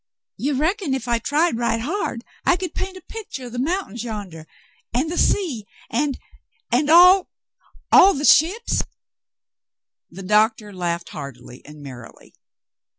You reckon if I tried right hard I could paint a picture o' th' mountain, yandah — an' th* sea — an' — all the — all the — ships ?" The doctor laughed heartily and merrily.